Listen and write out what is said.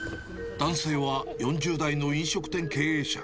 男性は４０代の飲食店経営者。